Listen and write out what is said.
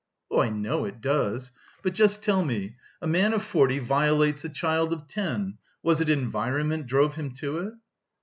"Oh, I know it does, but just tell me: a man of forty violates a child of ten; was it environment drove him to it?"